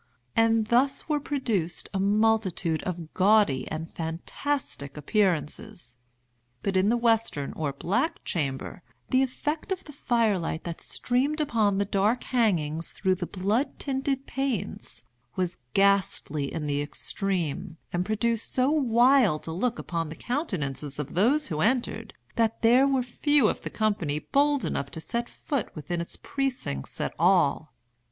And thus were produced a multitude of gaudy and fantastic appearances. But in the western or black chamber the effect of the fire light that streamed upon the dark hangings through the blood tinted panes, was ghastly in the extreme, and produced so wild a look upon the countenances of those who entered, that there were few of the company bold enough to set foot within its precincts at all.